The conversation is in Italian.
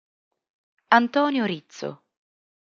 Antonio Rizzo